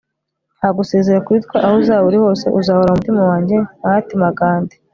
nta gusezera kuri twe aho uzaba uri hose, uzahora mu mutima wanjye - mahatma gandhi